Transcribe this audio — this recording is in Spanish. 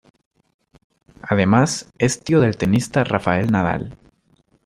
Además, es tío del tenista Rafael Nadal.